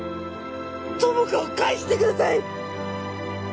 友果を返してください！